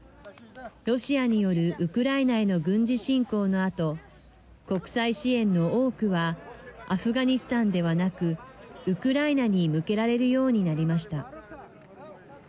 ロシアによるウクライナへの軍事侵攻のあと国際支援の多くはアフガニスタンではなくウクライナに向けられるようになりました。